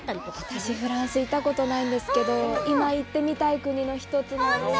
私、フランス行ったことないんですけど今行ってみたい国の１つなんです。